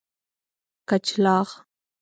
کچلاغ